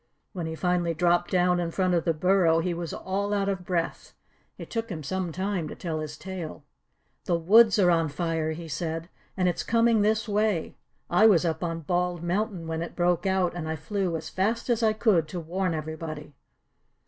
When he finally dropped down in front of the burrow he was all out of breath. It took him some time to tell his tale. "The woods are on fire," he said, "and it's coming this way. I was up on Bald Mountain when it broke out, and I flew as fast as I could to warn everybody."